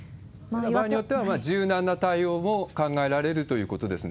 場合によっては柔軟な対応を考えられるということですね？